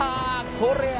これや！